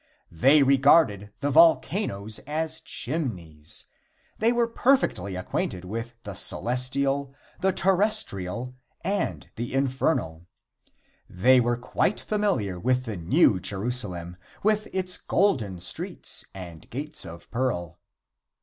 They regarded the volcanoes as chimneys. They were perfectly acquainted with the celestial, the terrestrial and the infernal. They were quite familiar with the New Jerusalem, with its golden streets and gates of pearl.